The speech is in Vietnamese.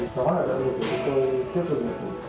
đó là lợi lượng của chúng tôi trước đường ngày phút